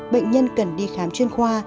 bệnh nhân cần đi khám chuyên khoa